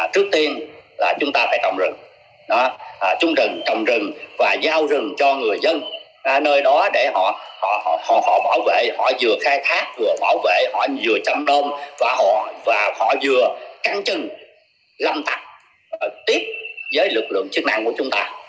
trước tiên là chúng ta phải trồng rừng trung rừng trồng rừng và giao rừng cho người dân nơi đó để họ bảo vệ họ vừa khai thác vừa bảo vệ họ vừa trăm đông và họ vừa cắn chân lâm thạc tiếp với lực lượng chức năng của chúng ta